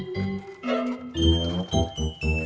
sampai jumpa lagi